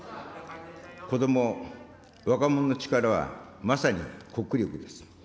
子ども、若者の力は、まさに国力です。